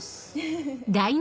フフフ。